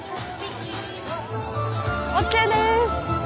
ＯＫです！